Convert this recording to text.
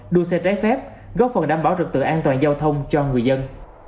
đua xe trái phép góp phần đảm bảo trực tự an toàn giao thông cho người dân